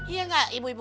iya enggak ibu ibu